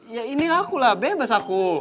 ya inilah aku lah bebas aku